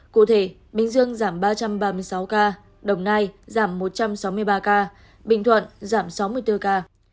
cụ thể bình dương giảm ba trăm ba mươi sáu ca đồng nai giảm một trăm sáu mươi ba ca bình thuận giảm sáu mươi bốn ca